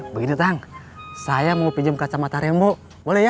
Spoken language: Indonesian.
begini tang saya mau pinjam kacamata rembo boleh ya